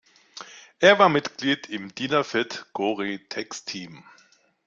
Er war Mitglied im Dynafit-Gore-Tex-Team.